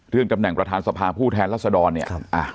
เรื่องจำแหน่งประธานสภาผู้แทนรัศดรเนี้ยครับอ่ะ